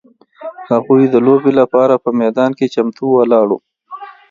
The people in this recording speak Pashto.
هغوی د لوبې لپاره په میدان کې چمتو ولاړ وو.